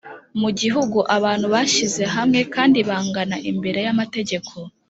mu gihugu abantu bashyize hamwe kandi bangana imbere y' amategeko,